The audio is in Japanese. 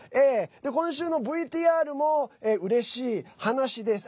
今週のＶＴＲも、うれしい話です。